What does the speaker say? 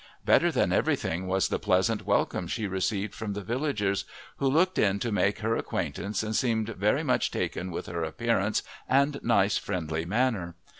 Better than everything was the pleasant welcome she received from the villagers, who looked in to make her acquaintance and seemed very much taken with her appearance and nice, friendly manner.